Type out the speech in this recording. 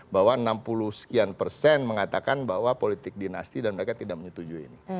bahwa enam puluh sekian persen mengatakan bahwa politik dinasti dan mereka tidak menyetujui ini